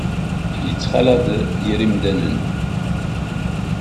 Yettxalaḍ yir yemdanen.